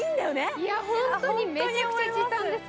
いや、本当にめちゃくちゃ時短ですね。